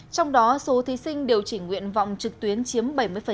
trong đó số thí sinh điều chỉnh nguyện vọng trực tuyến chiếm bảy mươi